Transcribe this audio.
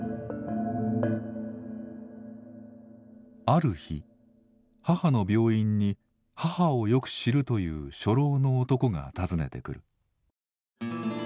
ある日母の病院に母をよく知るという初老の男が訪ねてくる。